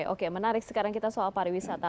oke menarik sekarang kita soal pariwisata